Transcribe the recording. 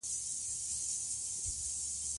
افغانستان کې وګړي د نن او راتلونکي لپاره ارزښت لري.